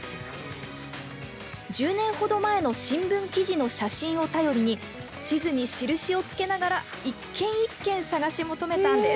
１０年ほど前の新聞記事の写真を頼りに地図に印を付けながら一軒一軒、探し求めたんです。